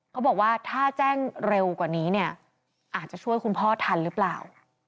เขาบอกว่าถ้าแจ้งเร็วกว่านี้เนี่ยอาจจะช่วยคุณพ่อทันหรือเปล่า